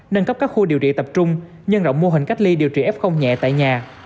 nâng cấp các khu điều trị tập trung nhân rộng mô hình cách ly điều trị f nhẹ tại nhà